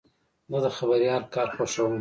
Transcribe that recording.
زه د خبریال کار خوښوم.